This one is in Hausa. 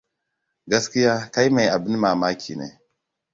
Gaskiya kai mai abin mamaki ne.